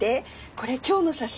これ今日の写真。